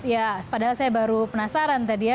ya padahal saya baru penasaran tadi ya